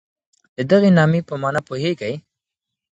د دغي نامې په مانا پوهېږئ؟